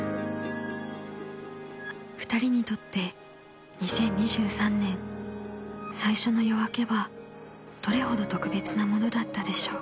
［２人にとって２０２３年最初の夜明けはどれほど特別なものだったでしょう］